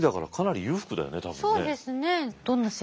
そうですね。